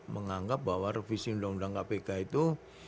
menganggap bahwa revisi undang undang kpk itu